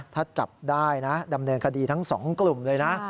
ถ้าจับได้นะดำเนินคดีทั้งสองกลุ่มเลยนะ